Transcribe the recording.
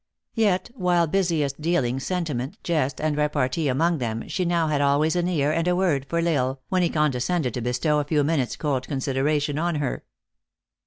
Yet while busiest dealing sentiment, jest, and repartee among them, she now had always an ear and a word for L Isle, when he condescended to bestow a few minutes cold considera tion on her.